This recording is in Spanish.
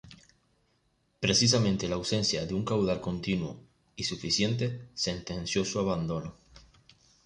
Precisamente la ausencia de un caudal continuo y suficiente sentenció su abandono.